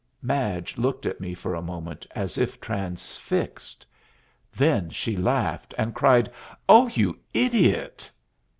Madge looked at me for a moment as if transfixed. Then she laughed, and cried, "Oh, you idiot!"